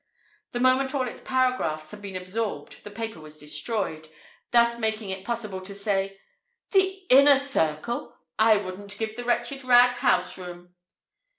The moment all its paragraphs had been absorbed the paper was destroyed, thus making it possible to say, "the Inner Circle! I wouldn't give the wretched rag houseroom!"